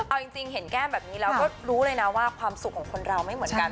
เอาจริงเห็นแก้มแบบนี้แล้วก็รู้เลยนะว่าความสุขของคนเราไม่เหมือนกัน